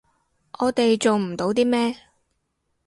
我哋做唔到啲咩